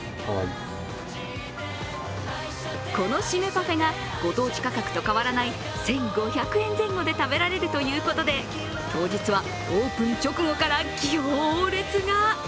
このシメパフェがご当地価格と変わらない１５００円前後で食べられるということで当日はオープン直後から行列が。